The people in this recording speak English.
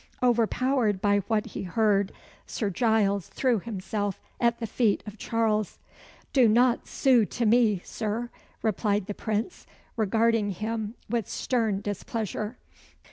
Overpowered by what he heard, Sir Giles threw himself at the feet of Charles. "Do not sue to me, Sir," replied the Prince, regarding him with stern displeasure.